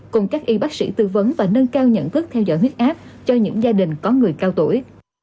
cùng các y bác sĩ tư vấn và nâng cao nhận thức theo dõi huyết áp cho những gia đình có người cao tuổi